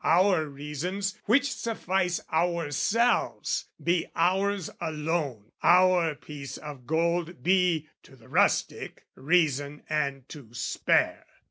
Our reasons, which suffice Ourselves, be ours alone; our piece of gold Be, to the rustic, reason and to spare!